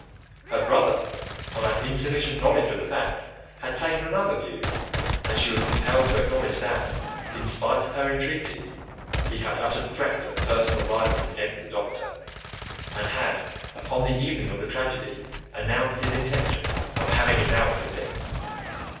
Her brother, on an insufficient knowledge of the facts, had taken another view, and she was compelled to acknowledge that, in spite of her entreaties, he had uttered threats of personal violence against the doctor, and had, upon the evening of the tragedy, announced his intention of "having it out with him."